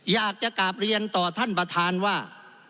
อยากจะกลับเรียนต่อท่านประธานว่า